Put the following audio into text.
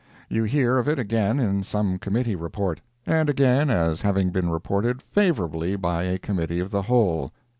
You hear of it again in some committee report. And again, as having been reported "favorably' by a Committee of the Whole.